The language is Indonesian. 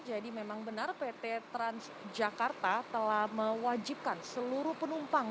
jadi memang benar pt transjakarta telah mewajibkan seluruh penumpang